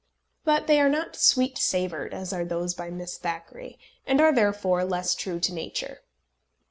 But they are not sweet savoured as are those by Miss Thackeray, and are, therefore, less true to nature.